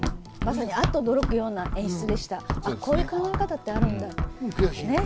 まさにあっと驚く演出でした、こういう考え方ってあるんだって。